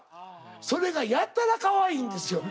それがやたらかわいいんですよ。